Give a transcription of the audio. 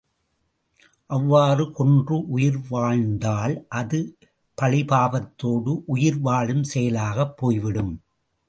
அவ்வாறு கொன்று உயிர் வாழ்ந்தால் அது பழிபாவத்தோடு உயிர் வாழும் செயலாகப் போய்விடும்.